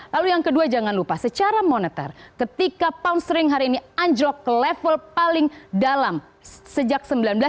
lalu yang kedua jangan lupa secara moneter ketika pound stering hari ini anjlok ke level paling dalam sejak seribu sembilan ratus sembilan puluh